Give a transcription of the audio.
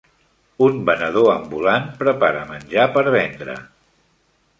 Un venedor ambulant preparar menjar per vendre.